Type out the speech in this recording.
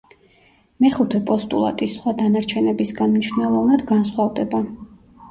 მეხუთე პოსტულატის სხვა დანარჩენებისგან მნიშვნელოვნად განსხვავდება.